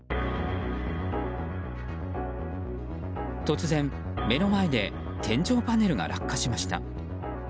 突然、目の前で天井パネルが落下しました。